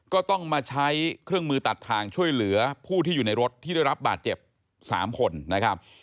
ก็ต้องมาใช้เครื่องมือตัดทางช่วยเหลือผู้ที่อยู่ในรถที่ได้รับบาดเจ็บ๓คนนะครับ